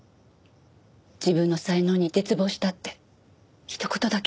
「自分の才能に絶望した」ってひと言だけ。